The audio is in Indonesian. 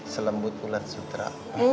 selembut ulat sutra